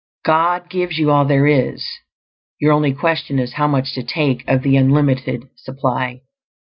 God gives you all there is; your only question is how much to take of the unlimited supply.